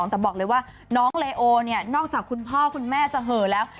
แต่บอกเลยว่าน้องเลโอเนี่ยนอกจากคุณพ่อคุณแม่จะเหอะแล้ว